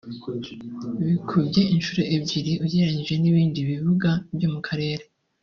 bikubye inshuro ebyeri ugereranyije n’ibindi bibuga byo mu karere